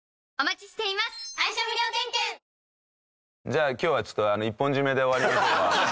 じゃあ今日はちょっと一本締めで終わりましょうか。